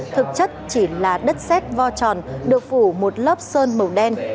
thực chất chỉ là đất xét vo tròn được phủ một lớp sơn màu đen